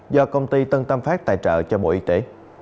do công ty tân tâm phát tài trợ cho bộ y tế